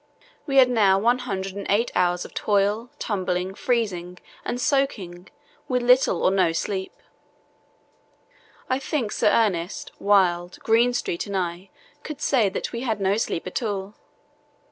We had now had one hundred and eight hours of toil, tumbling, freezing, and soaking, with little or no sleep. I think Sir Ernest, Wild, Greenstreet, and I could say that we had no sleep at all.